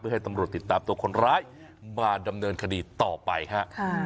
ให้ตำรวจติดตามตัวคนร้ายมาดำเนินคดีต่อไปฮะ